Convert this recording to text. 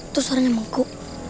itu suaranya mangku